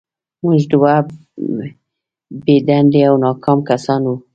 موږ دوه بې دندې او ناکام کسان وو